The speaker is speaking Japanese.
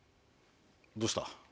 どうした？